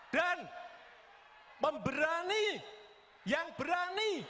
dan memberani yang berani